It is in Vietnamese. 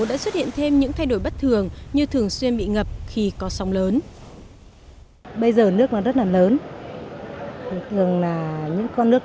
đã xuất hiện thêm những thay đổi bất thường như thường xuyên bị ngập khi có sóng lớn